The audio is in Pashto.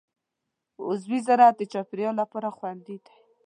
عضوي زراعت د چاپېریال لپاره خوندي دی.